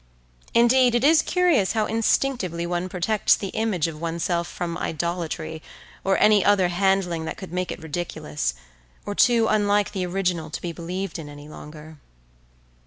Indeed, it is curious how instinctively one protects the image of oneself from idolatry or any other handling that could make it ridiculous, or too unlike the original to be believed in any longer.